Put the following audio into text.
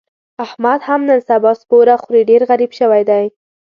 احمد هم نن سبا سپوره خوري، ډېر غریب شوی دی.